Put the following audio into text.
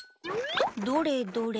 どれどれ？